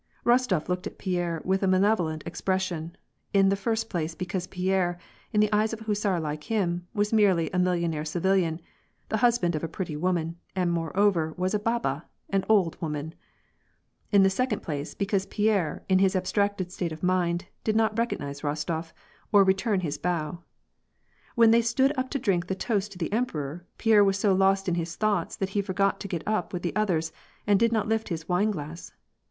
Bostof looked at Pierre with a malevolent expression, in the first place because Pierre, in the eyes of a hussar like him, was merely a millionaire civilian, the hus band of a pretty woman, and moreover was a haha — an old woman ! in the second place, because Pierre, in his abstracted state of mind, did not recognize Rostof, or return his bow. When they stood up to drink the toast to the emperor, Pierre was so' lost in his thoughts, that he forgot to get up with the others, and did not lift his wineglass.